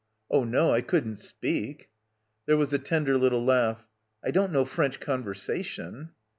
"Oh, no, I couldn't speak" There was a tender little laugh. "I don't know French conversation."